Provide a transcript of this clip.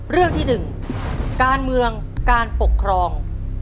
เรื่องที่๑การเมืองการปกครอง